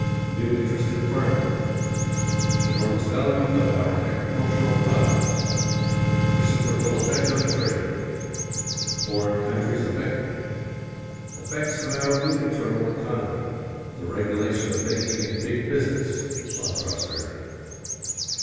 New interest in farming. Enormous value of our agricultural products. Reciprocal effect on trade. Foreign countries affected. Effects of our new internal economy the regulation of banking and "big business" on prosperity.